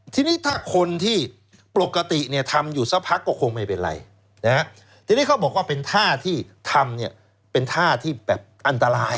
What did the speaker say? ทีนี้ถ้าคนที่ปกติเนี่ยทำอยู่สักพักก็คงไม่เป็นไรนะฮะทีนี้เขาบอกว่าเป็นท่าที่ทำเนี่ยเป็นท่าที่แบบอันตราย